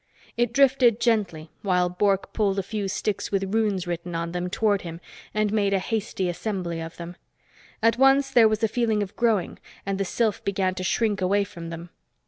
It drifted gently, while Bork pulled a few sticks with runes written on them toward him and made a hasty assembly of them. At once, there was a feeling of growing, and the sylph began to shrink away from them.